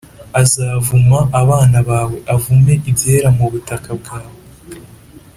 Azavuma abana bawe, avume ibyera mu butaka bwawe,